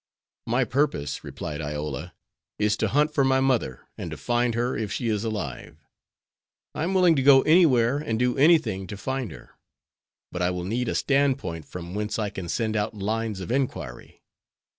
"My purpose," replied Iola, "is to hunt for my mother, and to find her if she is alive. I am willing to go anywhere and do anything to find her. But I will need a standpoint from whence I can send out lines of inquiry.